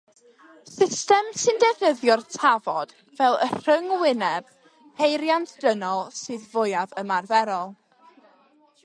System sy'n defnyddio'r tafod fel y rhyngwyneb peiriant-dynol sydd fwyaf ymarferol.